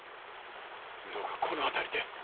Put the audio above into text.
どうかこの辺りで！